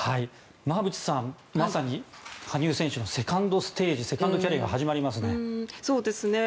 馬渕さん、まさに羽生選手のセカンドステージセカンドキャリアが始まりますね。